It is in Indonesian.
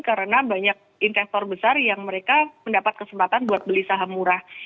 dan banyak investor besar yang mereka mendapat kesempatan buat beli saham murah